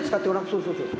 そうそうそう。